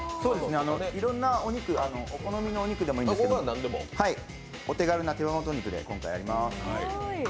いろんなお好みのお肉でもいいんですけどお手軽な手羽元肉で今回、やります。